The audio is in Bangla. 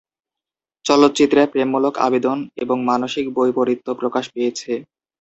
চলচ্চিত্রে প্রেমমূলক আবেদন এবং মানসিক বৈপরীত্য প্রকাশ পেয়েছে।